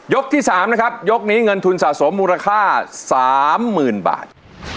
ยกที่สามนะครับยกนี้เงินทุนสะสมมูลค่าสามหมื่นบาท